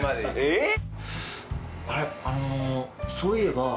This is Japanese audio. えっ？